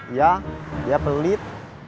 iya dia pelit